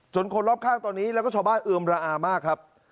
คนรอบข้างตอนนี้แล้วก็ชาวบ้านเอือมระอามากครับ